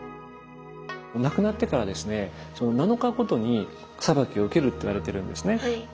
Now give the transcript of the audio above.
亡くなってからですね７日ごとに裁きを受けるといわれてるんですね。